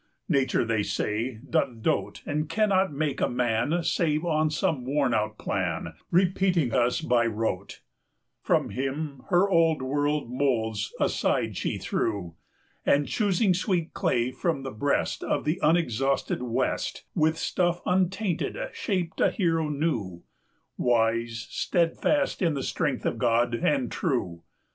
Nature, they say, doth dote, And cannot make a man Save on some worn out plan, Repeating us by rote: 160 For him her Old World moulds aside she threw, And, choosing sweet clay from the breast Of the unexhausted West, With stuff untainted shaped a hero new, Wise, steadfast in the strength of God, and true.